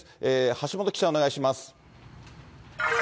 橋本記者、お願いします。